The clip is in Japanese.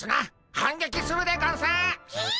反撃するでゴンスっ！